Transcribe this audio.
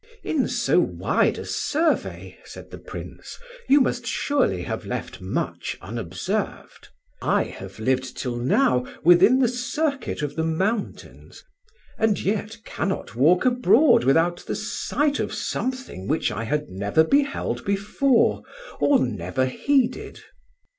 "In so wide a survey," said the Prince, "you must surely have left much unobserved. I have lived till now within the circuit of the mountains, and yet cannot walk abroad without the sight of something which I had never beheld before, or never heeded."